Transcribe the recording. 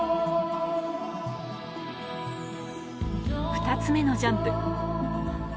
２つ目のジャンプ